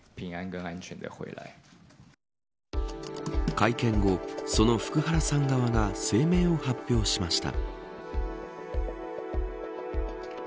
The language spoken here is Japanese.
会見後、その福原さん側が声明を発表しました。